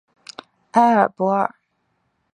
埃尔博尔。